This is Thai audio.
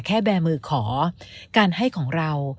แบร์มือขอการให้ของเรา